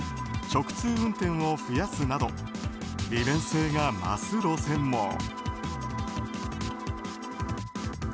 直通運転を増やすなど利便性が増す路線も。